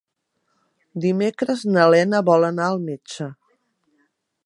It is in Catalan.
Dimecres na Lena vol anar al metge.